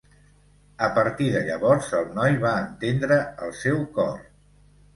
A partir de llavors, el noi va entendre el seu cor.